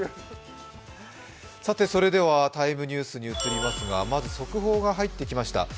「ＴＩＭＥ，」ニュースに移りますがまず速報が入ってきました。